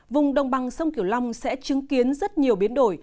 vùng đồng bằng sông kiểu long sẽ chứng kiến rất nhiều biến đổi